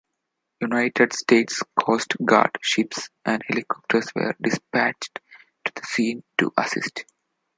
United States Coast Guard ships and helicopters were dispatched to the scene to assist.